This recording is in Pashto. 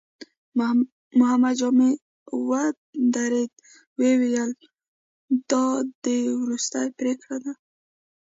محمد جامي ودرېد، ويې ويل: دا دې وروستۍ پرېکړه ده؟